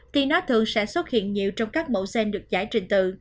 thì nó thường sẽ xuất hiện nhiều trong các mẫu gen được giải trình từ